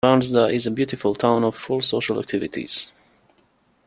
Vansda is a beautiful town of full social activities.